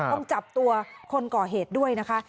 ต้องจับตัวคนก่อเหตุด้วยนะคะ